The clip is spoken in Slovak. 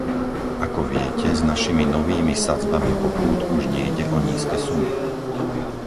Ako viete, s našimi novými sadzbami pokút už nejde o nízke sumy.